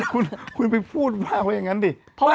คุณไปพูดมาไปงานดิ